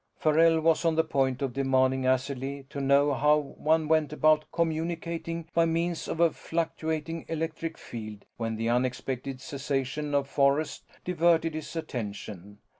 Farrell was on the point of demanding acidly to know how one went about communicating by means of a fluctuating electric field when the unexpected cessation of forest diverted his attention.